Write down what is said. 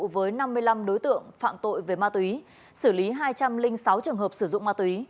với năm mươi năm đối tượng phạm tội về ma túy xử lý hai trăm linh sáu trường hợp sử dụng ma túy